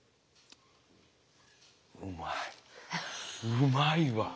うまいわ。